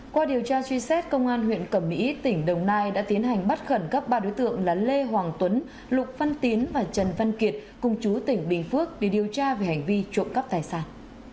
qua điều tra truy xét công an huyện cẩm mỹ tỉnh đồng nai đã tiến hành bắt khẩn cấp ba đối tượng là lê hoàng tuấn lục văn tiến và trần văn kiệt cùng chú tỉnh bình phước để điều tra về hành vi trộm cắp tài sản